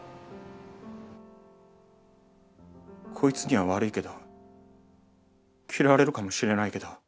こいつには悪いけど嫌われるかもしれないけど。